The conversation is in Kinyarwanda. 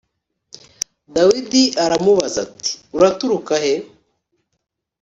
Dawidi aramubaza ati “Uraturuka he?”